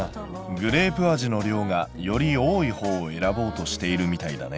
グレープ味の量がより多いほうを選ぼうとしているみたいだね。